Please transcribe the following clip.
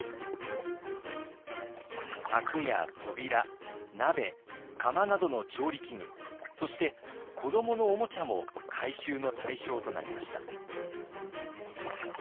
柵や扉鍋釜などの調理器具そして子どものおもちゃも回収の対象となりました。